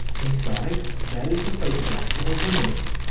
Inside there was the photograph of a woman.